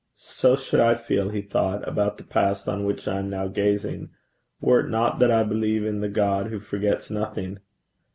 'So should I feel,' he thought, 'about the past on which I am now gazing, were it not that I believe in the God who forgets nothing.